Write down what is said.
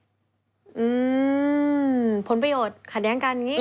อืมผลประโยชน์ขัดแย้งกันอย่างนี้